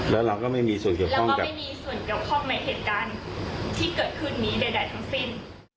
และเราก็ไม่มีส่วนเกี่ยวข้องใหม่เหตุการณ์ที่เกิดขึ้นนี้ใดทั้งฟิศ